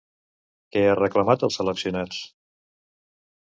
Què ha reclamat als seleccionats?